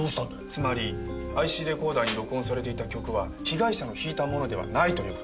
つまりＩＣレコーダーに録音されていた曲は被害者の弾いたものではないという事です。